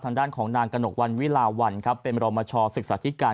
ทางด้านของนางกระหนกวันวิลาวันครับเป็นรอมชศึกษาธิการ